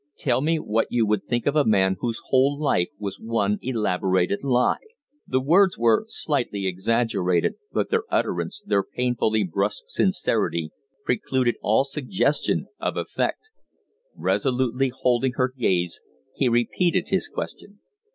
"Tell me what you would think of a man whose whole life was one elaborated lie?" The words were slightly exaggerated, but their utterance, their painfully brusque sincerity, precluded all suggestion of effect. Resolutely holding her gaze he repeated his question.